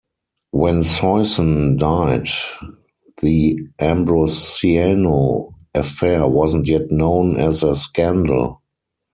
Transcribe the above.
When Soisson died, the Ambrosiano affair wasn't yet known as a scandal.